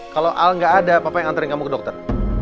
kalau al gak ada papa yang anterin kamu ke dokter